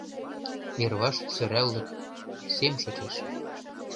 Йырваш сӧраллык, сем шочеш.